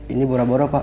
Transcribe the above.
ini bora bora pak